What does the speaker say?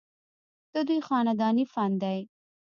ددوي خانداني فن دے